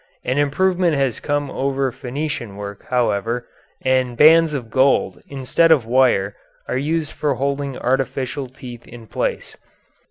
An improvement has come over Phenician work however, and bands of gold instead of wire are used for holding artificial teeth in place.